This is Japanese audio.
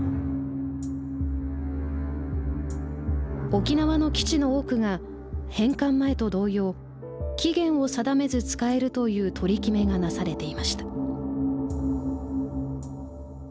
沖縄の基地の多くが返還前と同様期限を定めず使えるという取り決めがなされていました。